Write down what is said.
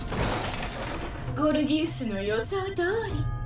ゴルギウスの予想どおり。